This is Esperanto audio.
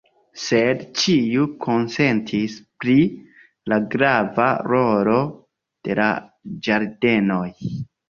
Sed ĉiu konsentis pri la grava rolo de la ĝardenoj.